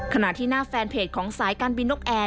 ขณะที่หน้าแฟนเพจของสายการบินนกแอร์